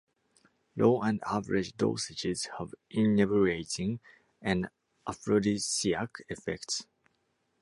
Low and average dosages have inebriating and aphrodisiac effects.